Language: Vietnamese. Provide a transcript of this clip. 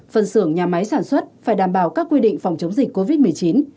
phân xưởng nhà máy sản xuất phải đảm bảo các quy định phòng chống dịch covid một mươi chín